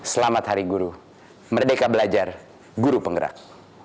selamat hari guru merdeka belajar guru penggerak